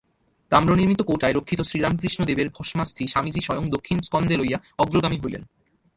তাম্রনির্মিত কৌটায় রক্ষিত শ্রীরামকৃষ্ণদেবের ভস্মাস্থি স্বামীজী স্বয়ং দক্ষিণ স্কন্ধে লইয়া অগ্রগামী হইলেন।